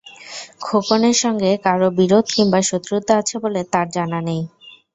খোকনের সঙ্গে কারও বিরোধ কিংবা শত্রুতা আছে বলে তাঁর জানা নেই।